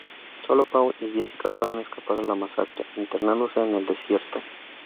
Solo Paul y Jessica pueden escapar a la masacre, internándose en el desierto.